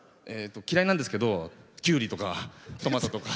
嫌いなんですけどきゅうりとかトマトとか。